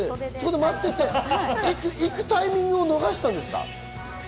待ってて行くタイミングを逃したんですか？